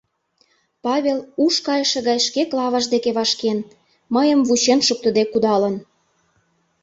Павел уш кайыше гай шке Клаваж деке вашкен, мыйым вучен шуктыде кудалын.